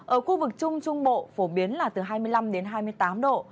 ở khu vực trung trung bộ phổ biến là từ hai mươi năm đến hai mươi tám độ